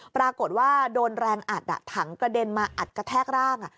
ปรากฏว่าโดนแรงอัดถังกระเด็นมาอัดกระแทกร่าง